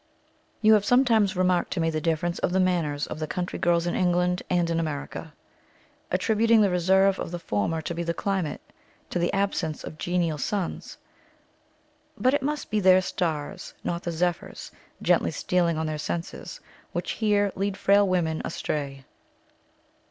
You have sometimes remarked to me the difference of the manners of the country girls in England and in America; attributing the reserve of the former to the climate to the absence of genial suns. But it must be their stars, not the zephyrs, gently stealing on their senses, which here lead frail women astray.